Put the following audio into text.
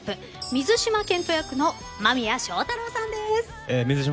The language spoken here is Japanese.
水島健人役の間宮祥太朗です。